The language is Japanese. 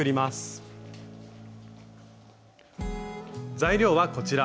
材料はこちら。